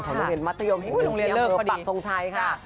ของนักเรียนมัธยมให้เป็นที่อำเภอปักทงชัยค่ะ